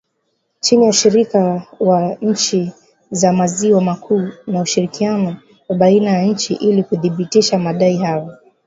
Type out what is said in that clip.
Chini ya ushirika wa nchi za maziwa makuu , na ushirikiano wa baina ya nchi ili kuthibitisha madai hayo